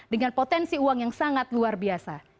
dengan potensi uang yang sangat luar biasa